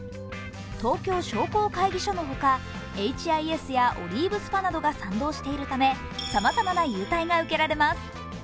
東京商工会議所のほかエイチ・アイ・エスやオリーブスパなどが賛同しているため、さまざまな優待が受けられます。